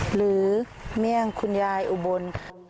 เมี่ยงคุณยายอุบล